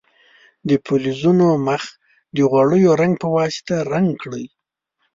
د فلزونو مخ د غوړیو رنګ په واسطه رنګ کړئ.